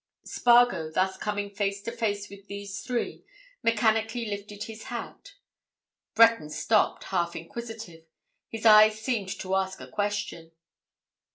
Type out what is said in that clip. Spargo, thus coming face to face with these three, mechanically lifted his hat. Breton stopped, half inquisitive. His eyes seemed to ask a question.